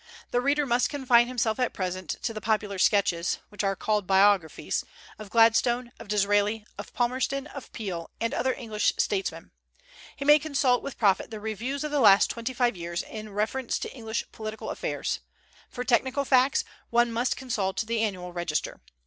The reader must confine himself at present to the popular sketches, which are called biographies, of Gladstone, of Disraeli, of Palmerston, of Peel, and other English statesmen. He may consult with profit the Reviews of the last twenty five years in reference to English political affairs. For technical facts one must consult the Annual Register.